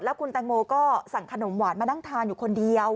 คุณแตงโมก็สั่งขนมหวานมานั่งทานอยู่คนเดียว